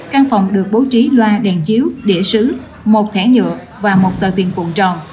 căn phòng được bố trí loa đèn chiếu địa sứ một thẻ nhựa và một tờ tiền cuộn tròn